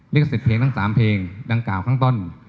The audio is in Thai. ลิขสิทธิ์เพลงทั้ง๓เพลงดังกล่าวข้างต้น